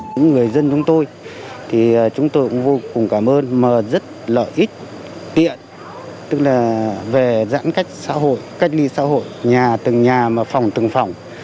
các người dân chúng tôi cũng vô cùng cảm ơn mà rất lợi ích tiện tức là về giãn cách xã hội cách ly xã hội nhà từng nhà mà phòng từng phòng